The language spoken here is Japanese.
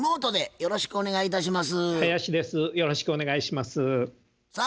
よろしくお願いします。